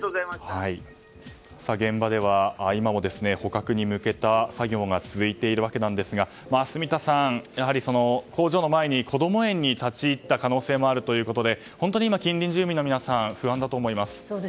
現場では、今も捕獲に向けた作業が続いているわけなんですが住田さん、工場の前にこども園に立ち入った可能性もあるということで本当に今、近隣住民の皆さん不安だと思います。